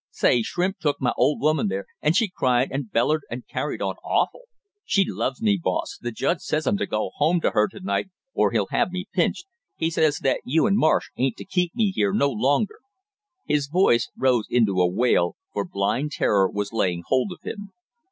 "Say, Shrimp took my old woman there, and she cried and bellered and carried on awful! She loves me, boss the judge says I'm to go home to her to night or he'll have me pinched. He says that you and Marsh ain't to keep me here no longer!" His voice rose into a wail, for blind terror was laying hold of him.